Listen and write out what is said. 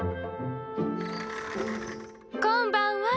こんばんは。